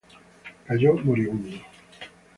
Cayó moribundo.